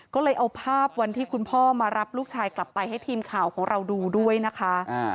ก็เลยเอาภาพวันที่คุณพ่อมารับลูกชายกลับไปให้ทีมข่าวของเราดูด้วยนะคะ